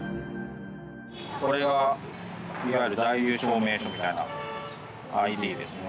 これがいわゆる在留証明書みたいなＩＤですね。